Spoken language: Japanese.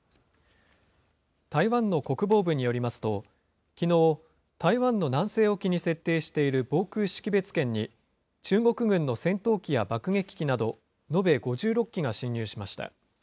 台湾の国防部によりますと、きのう、台湾の南西沖に設定している防空識別圏に、中国軍の戦闘機や爆撃機など、延べ５６機が進入しました。